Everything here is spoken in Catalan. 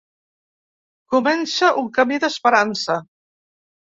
Comença un camí d’esperança.